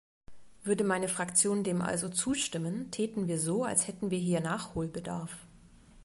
Würde meine Fraktion dem also zustimmen, täten wir so, als hätten wir hier Nachholbedarf.